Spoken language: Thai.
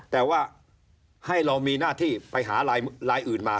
แต่ว่าให้เรามีหน้าที่ไปหาลายอื่นมา